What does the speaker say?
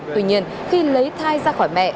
tuy nhiên khi lấy thai ra khỏi mẹ